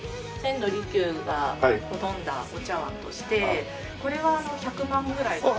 千利休が好んだお茶わんとしてこれは１００万ぐらい。